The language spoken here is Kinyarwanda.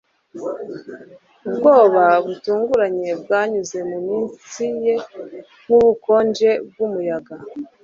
Ubwoba butunguranye bwanyuze mu mitsi ye nkubukonje bwumuyaga